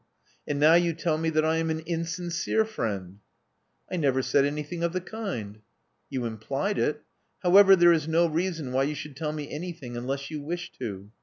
''*' And now you tell me that I am an insincere friend. '* I never said anything of the kind." "You implied it. However, there is no reason why you should tell me anything unless you wish to.